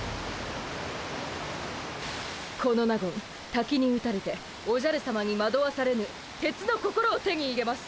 この納言たきに打たれておじゃるさまにまどわされぬ鉄の心を手に入れます。